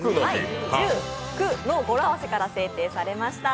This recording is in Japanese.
「じゅく」の語呂合わせから制定されました。